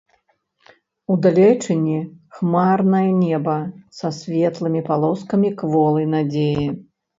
Удалечыні хмарнае неба, са светлымі палоскамі кволай надзеі.